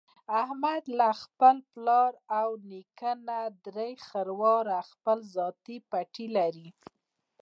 احمد له پلار او نیکه نه درې خرواره خپل ذاتي پټی لري.